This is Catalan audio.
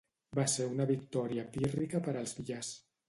Va ser una victòria pírrica per als Villars.